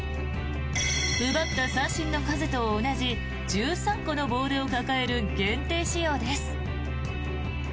奪った三振の数と同じ１３個のボールを抱える限定仕様です。